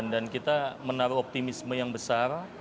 dan kita menaruh optimisme yang besar